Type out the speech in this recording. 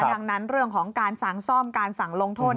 ดังนั้นเรื่องของการสั่งซ่อมการสั่งลงโทษ